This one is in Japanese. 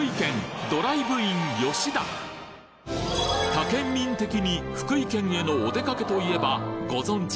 他県民的に福井県へのおでかけといえばご存じ